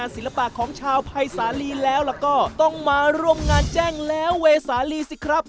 ไม่ขายจานให้จานขอบคุณมากครับ